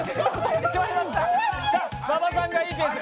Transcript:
馬場さんがいいペース。